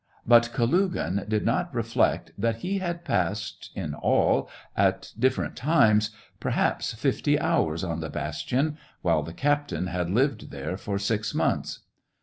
But Kalugin did not reflect that he had passed, in all, at different times, perhaps fifty hours on the bastion, while the captain had lived there for six SEVASTOPOL IN MAY. 85 months.